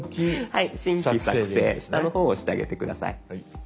はい「新規作成」下の方を押してあげて下さい。